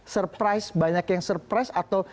surprise banyak yang surprise atau